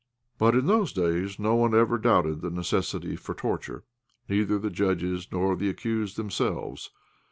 But in those days no one ever doubted of the necessity for torture, neither the judges nor the accused themselves.